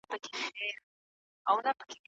نه له خلوته څخه شېخ، نه له مغانه خیام